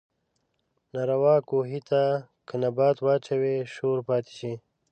تاروۀ کوهي ته کۀ نبات واچوې شور پاتې شي